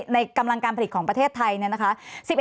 ในกำลังการผลิตของประเทศไทย